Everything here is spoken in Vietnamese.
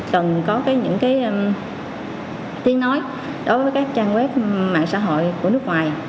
cần có những tiếng nói đối với các trang web mạng xã hội của nước ngoài